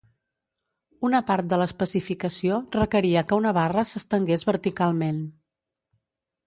Una part de l'especificació requeria que una barra s'estengués verticalment.